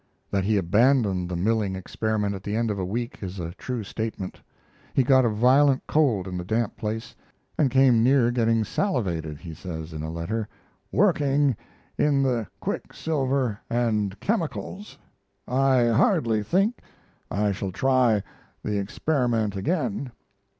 That he abandoned the milling experiment at the end of a week is a true statement. He got a violent cold in the damp place, and came near getting salivated, he says in a letter, "working in the quicksilver and chemicals. I hardly think I shall try the experiment again.